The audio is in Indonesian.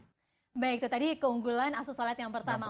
itu tadi keunggulan asus oled yang pertama